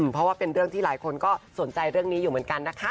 เพราะว่าเป็นเรื่องที่หลายคนก็สนใจเรื่องนี้อยู่เหมือนกันนะคะ